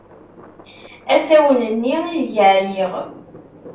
Asawen-nni ideg ɛyiɣ.